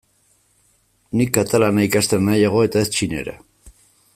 Nik katalana ikastea nahiago eta ez txinera.